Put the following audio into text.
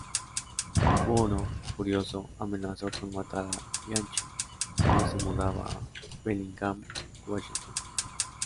Buono, furioso, amenazó con matar a Bianchi si no se mudaba a Bellingham, Washington.